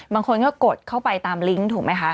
บางคนก็กดเข้าไปตามลิงก์ถูกไหมคะ